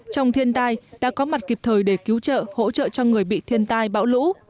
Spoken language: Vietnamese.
trong thiên tai đã có mặt kịp thời để cứu trợ hỗ trợ cho người bị thiên tai bão lũ